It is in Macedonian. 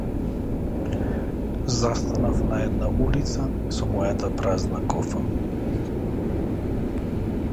Застанав на една улица со мојата празна кофа.